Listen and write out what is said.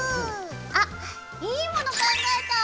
あっいいもの考えた！